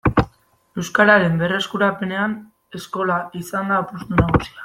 Euskararen berreskurapenean eskola izan da apustu nagusia.